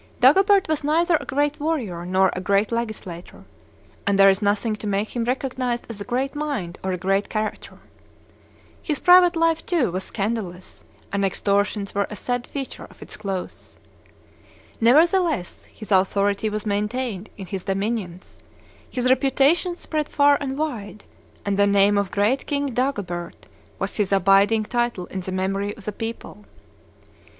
Dagobert was neither a great warrior nor a great legislator, and there is nothing to make him recognized as a great mind or a great character. His private life, too, was scandalous; and extortions were a sad feature of its close. Nevertheless his authority was maintained in his dominions, his reputation spread far and wide, and the name of great King Dagobert was his abiding title in the memory of the people.